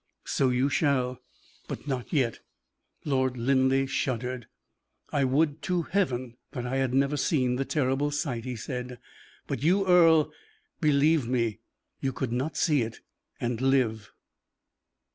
"So you shall, but not yet." Lord Linleigh shuddered. "I would to Heaven that I had never seen the terrible sight," he said; "but you, Earle, believe me, you could not see it and live!"